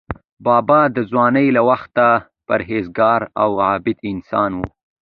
بابا د ځوانۍ له وخته پرهیزګار او عابد انسان و.